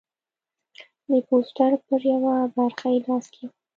د پوسټر پر یوه برخه یې لاس کېښود.